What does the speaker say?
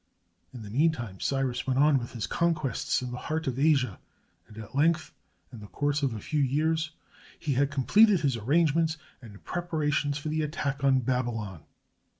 In the mean time, Cyrus went on with his conquests in the heart of Asia, and at length, in the course of a few years, he had completed his arrangements and prepara tions for the attack on Babylon.